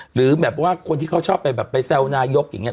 หรือแบบว่าคนที่เขาชอบไปแบบไปแซวนายกอย่างนี้